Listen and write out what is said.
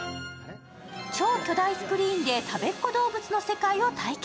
超巨大スクリーンでたべっ子どうぶつの世界を体験。